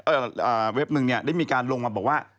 เอ่อเว็บหนึ่งเนี่ยได้มีการลงมาบอกว่า